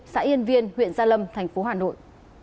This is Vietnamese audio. xã yên viên huyện gia lâm thành phố hà nội